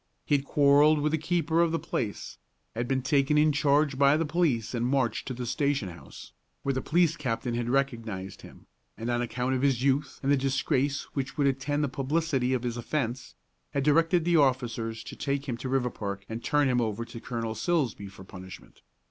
He had quarrelled with the keeper of the place, had been taken in charge by the police and marched to the station house, where the police captain had recognized him; and on account of his youth and the disgrace which would attend the publicity of his offence, had directed the officers to take him to Riverpark and turn him over to Colonel Silsbee for punishment.